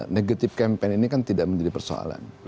negative campaign ini kan tidak menjadi persoalan